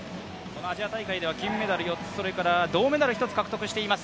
アジア大会では銀メダル４つ銅メダルを獲得しています。